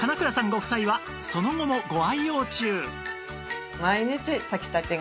ご夫妻はその後もご愛用中